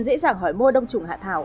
dễ dàng hỏi mua đông trùng hạ thảo